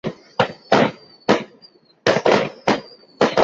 宗尧也十分的尽力重整藩中财政。